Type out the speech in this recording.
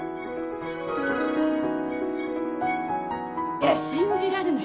いや信じられない！